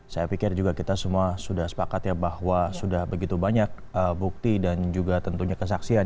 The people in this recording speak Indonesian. saya pikir juga kita semua sudah sepakat ya bahwa sudah begitu banyak bukti dan juga tentunya kesaksian